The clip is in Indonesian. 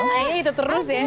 oh iya itu terus ya